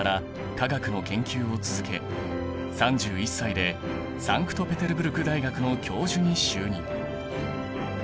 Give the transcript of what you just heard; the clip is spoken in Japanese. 化学の研究を続け３１歳でサンクトペテルブルク大学の教授に就任。